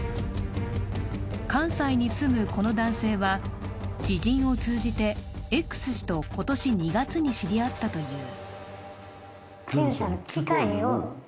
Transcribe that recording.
関西に住むこの男性は、知人を通じてＸ氏と今年２月に知り合ったという。